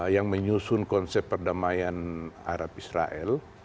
yang menyusun konsep perdamaian arab israel